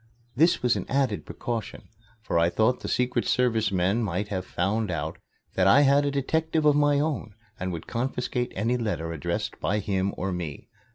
This was an added precaution, for I thought the Secret Service men might have found out that I had a detective of my own and would confiscate any letters addressed by him or me.